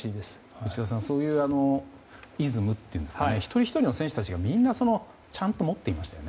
内田さん、そういうイズムといいますか一人ひとりの選手がみんなちゃんと持っていましたね